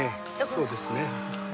そうですね。